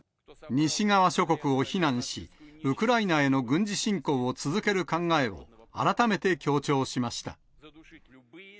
西側諸国を非難し、ウクライナへの軍事侵攻を続ける考えを改めて強調しました。